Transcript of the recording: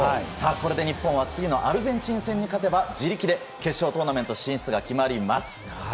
これで日本は次のアルゼンチン戦に勝てば自力で決勝トーナメント進出が決まります。